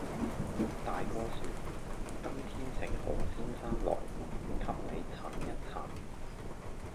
大哥説，「今天請何先生來，給你診一診。」